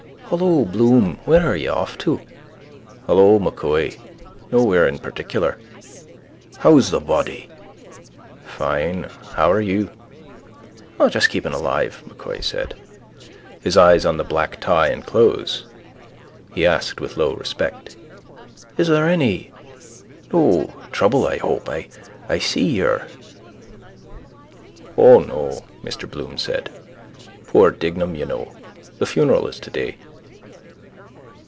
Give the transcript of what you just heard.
—Hello, Bloom. Where are you off to? —Hello, M'Coy. Nowhere in particular. —How's the body? —Fine. How are you? —Just keeping alive, M'Coy said. His eyes on the black tie and clothes he asked with low respect: —Is there any... no trouble I hope? I see you're... —O, no, Mr Bloom said. Poor Dignam, you know. The funeral is today.